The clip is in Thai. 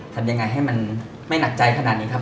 ทำยังไงให้มันไม่หนักใจขนาดนี้ครับ